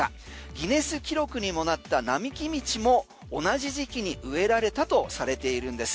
ギネス記録にもなった並木道も同じ時期に植えられたとされているんです。